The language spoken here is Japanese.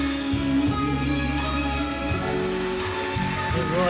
すごい！